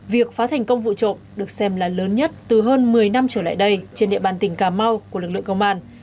việc phá thành công vụ trộm được xem là lớn nhất từ hơn một mươi năm trở lại đây trên địa bàn tỉnh cà mau của lực lượng công an